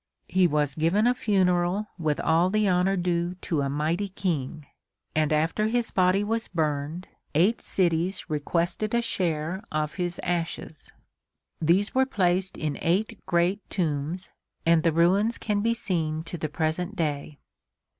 He was given a funeral with all the honor due to a mighty king and after his body was burned, eight cities requested a share of his ashes. These were placed in eight great tombs, and the ruins can be seen to the present day.